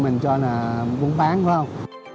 mình cho là muốn bán phải không